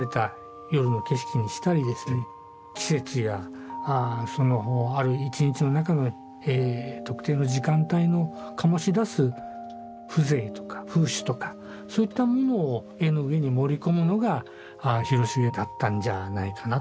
季節やそのある一日の中の特定の時間帯の醸し出す風情とか風趣とかそういったものを絵の上に盛り込むのが広重だったんじゃないかな。